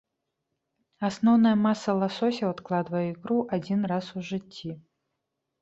Асноўная маса ласосяў адкладвае ікру адзін раз у жыцці.